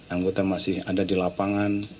anggota masih ada di lapangan